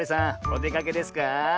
おでかけですか？